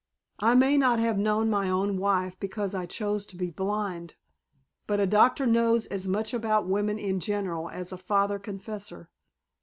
I may not have known my own wife because I chose to be blind, but a doctor knows as much about women in general as a father confessor.